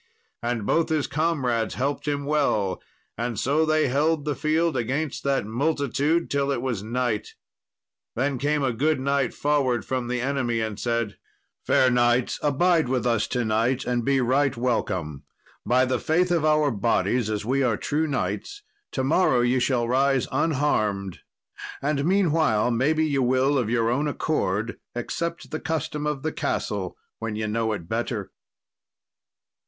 And both his comrades helped him well, and so they held the field against that multitude till it was night. Then came a good knight forward from the enemy and said, "Fair knights, abide with us to night and be right welcome; by the faith of our bodies as we are true knights, to morrow ye shall rise unharmed, and meanwhile maybe ye will, of your own accord, accept the custom of the castle when ye know it better."